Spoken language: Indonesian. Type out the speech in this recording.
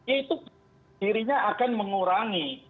itu dirinya akan mengurangi